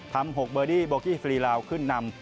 ๖เบอร์ดี้โบกี้ฟรีลาวขึ้นนำ